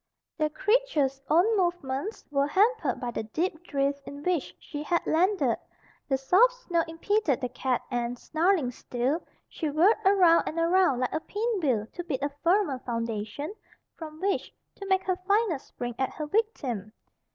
The creature's own movements were hampered by the deep drift in which she had landed. The soft snow impeded the cat and, snarling still, she whirled around and around like a pinwheel to beat a firmer foundation from which to make her final spring at her victim.